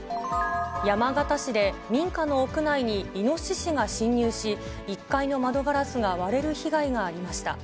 山形市で、民家の屋内にイノシシが侵入し、１階の窓ガラスが割れる被害がありました。